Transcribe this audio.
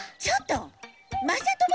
ちょっとまって！